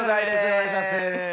お願いします。